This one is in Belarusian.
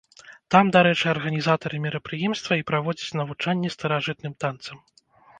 Там, дарэчы, арганізатары мерапрыемства і праводзяць навучанне старажытным танцам.